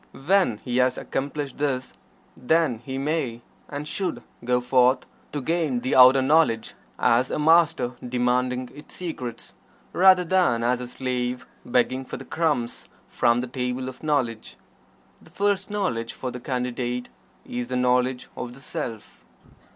When he has accomplished this, then he may, and should, go forth to gain the outer knowledge as a Master demanding its secrets, rather than as a slave begging for the crumbs from the table of knowledge. The first knowledge for the Candidate is the knowledge of the Self.